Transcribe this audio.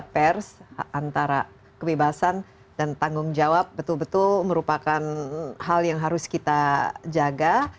pers antara kebebasan dan tanggung jawab betul betul merupakan hal yang harus kita jaga